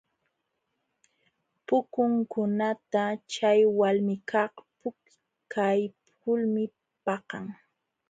Pukunkunata chay walmikaq pukpaykulmi paqan.